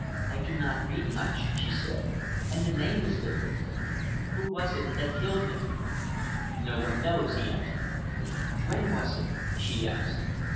"I do not read much," she said, "and the name was different. Who was it that killed him?" "No one knows," he answered. "When was it?" she asked.